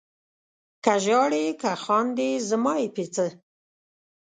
که ژاړې که خاندې زما یې په څه؟